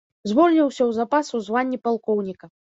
Звольніўся ў запас у званні палкоўніка.